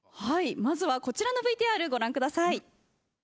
まずはこちらのＶＴＲご覧ください。